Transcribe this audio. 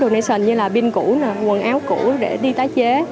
như là pin cũ quần áo cũ để đi tái chế